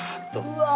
うわ。